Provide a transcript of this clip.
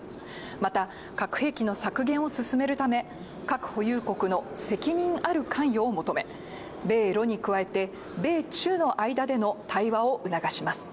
また核兵器の削減を進めるため核保有国の責任ある関与を求め米ロに加えて、米中の間での対話を促します。